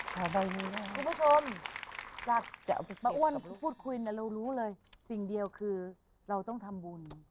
คุณผู้ชมจากป้าอ้วนพูดคุยนะเรารู้เลยสิ่งเดียวคือเราต้องทำบุญ